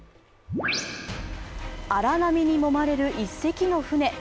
荒波にもまれる１隻の船。